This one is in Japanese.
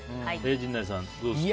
陣内さん、どうですか？